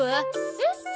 えっ？